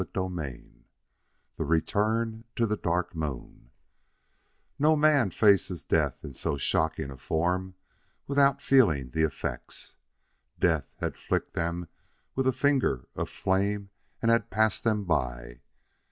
CHAPTER IV The Return to the Dark Moon No man faces death in so shocking a form without feeling the effects. Death had flicked them with a finger of flame and had passed them by.